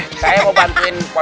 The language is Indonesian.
ustadz saya kambing dulu dulu ya